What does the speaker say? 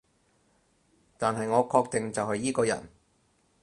但係我確定就係依個人